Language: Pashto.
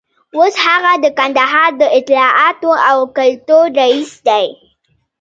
اوس هغه د کندهار د اطلاعاتو او کلتور رییس دی.